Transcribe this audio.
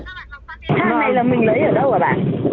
hàng này là mình lấy ở đâu ạ bà